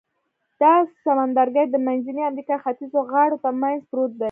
دا سمندرګي د منځنۍ امریکا ختیځو غاړو تر منځ پروت دی.